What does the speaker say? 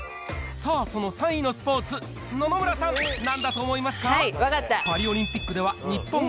さあ、その３位のスポーツ、野々村さん、なんだと思いますか？